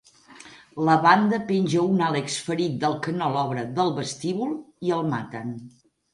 La banda penja un Alex ferit del canelobre del vestíbul i el maten.